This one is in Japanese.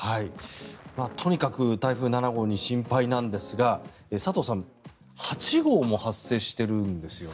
とにかく台風７号に心配なんですが佐藤さん８号も発生してるんですよね。